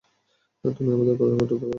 তুমি আমাদের উপেক্ষা করতে পারো না।